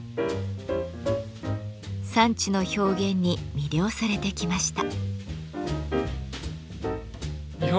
三知の表現に魅了されてきました。